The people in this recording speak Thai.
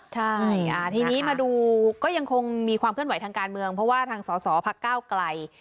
ใช่ทีนี้มาดูก็ยังคงมีความเคลื่อนไหวทางการเมืองเพราะว่าทางสอสอพักก้าวไกล